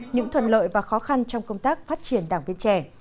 những thuận lợi và khó khăn trong công tác phát triển đảng viên trẻ